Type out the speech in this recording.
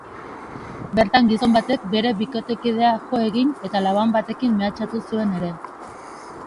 Bertan gizon batek bere bikotekidea jo egin eta laban batekin mehatxatu zuen ere.